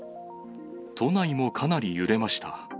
都内もかなり揺れました。